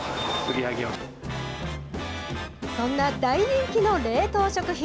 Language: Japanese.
そんな大人気の冷凍食品。